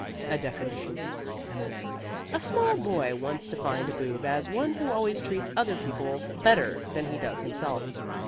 A DEFINITION A small boy once defined a Boob as one who always treats other people better than he does himself.